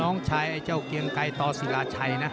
น้องชายไอ้เจ้าเกียงไกรต่อศิลาชัยนะ